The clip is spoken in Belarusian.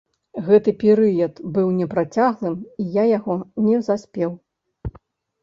Гэты перыяд быў непрацяглым і я яго не заспеў.